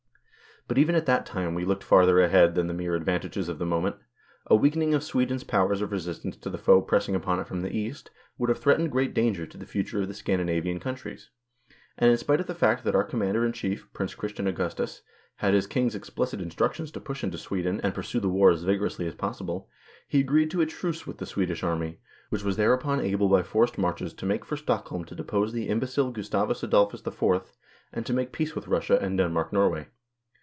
But even at that time we looked farther ahead than the mere advantages of the moment ; a weaken ing of Sweden's powers of resistance to the foe pressing upon it from the east would have threatened great danger to the future of the Scandinavian coun tries ; l and in spite of the fact that our Commander in Chief, Prince Christian Augustus, had his King's explicit instructions to push into Sweden and pursue the war as vigorously as possible, he agreed to a truce with the Swedish army, which was there upon able by forced marches to make for Stockholm to depose the imbecile Gustavus Adolphus IV., and to make peace with Russia and Denmark Norway.